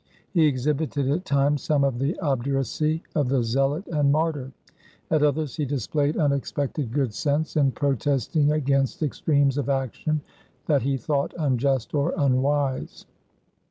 He exhibited at times some of the obduracy of the zealot and martyr; at others he displayed unexpected good sense in protesting against extremes of action that he thought unjust or unwise.